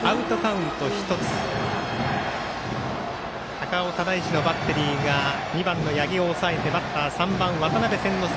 高尾、只石のバッテリーが２番の八木を抑えてバッター３番、渡邉千之亮。